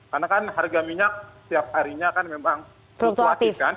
karena kan harga minyak setiap harinya kan memang fluktuatif kan